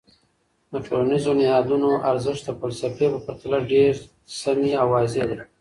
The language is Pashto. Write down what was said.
د ټولنیزو نهادونو ارزونې د فلسفې په پرتله ډیر سمی او واضح دي.